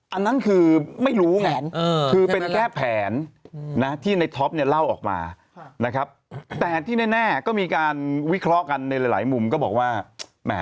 อันนั้นคือไม่รู้ไงคือเป็นแค่แผนนะที่ในท็อปเนี่ยเล่าออกมานะครับแต่ที่แน่ก็มีการวิเคราะห์กันในหลายมุมก็บอกว่าแหม